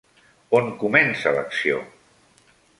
On comença l'acció?